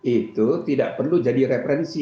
itu tidak perlu jadi referensi